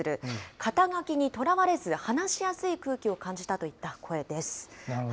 肩書にとらわれず、話しやすい空気を感じたといった声です。